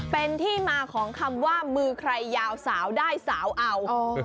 เป็นที่มาของคำว่ามือใครยาวสาวได้สาวเอา